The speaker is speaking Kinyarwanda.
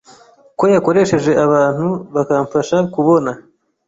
ko yakoresheje abantu bakamfasha kubona